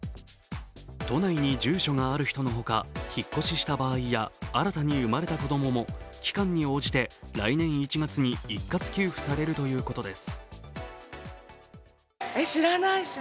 都内に住所がある人のほか、引っ越しした場合や新たに生まれた子供も期間に応じて来年１月に一括給付されるということです。